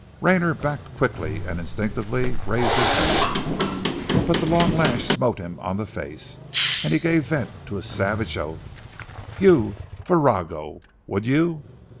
Rayner backed quickly, and instinctively raised his hand. But the long lash smote him on the face, and he gave vent to a savage oath. "You virago! Would you?"